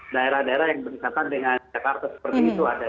daerah daerah yang berdekatan dengan jakarta seperti itu ada